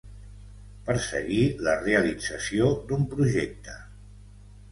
Perseguir la realització d'un projecte.